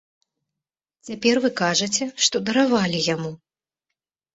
Цяпер вы кажаце, што даравалі яму.